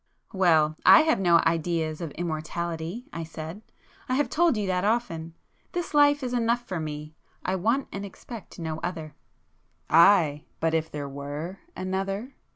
"Well, I have no ideas of immortality"—I said—"I have told you that often. This life is enough for me,—I want and expect no other." "Aye, but if there were another!"